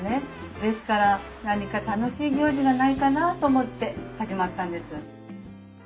ですから何か楽しい行事がないかなと思って始まったんです。